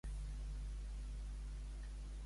Crits al pecat, no al pecador, fa el bon pastor.